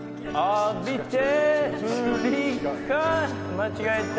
間違えた。